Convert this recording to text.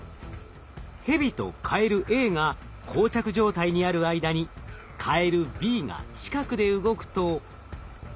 ヘビとカエルＡがこう着状態にある間にカエルＢが近くで動くと。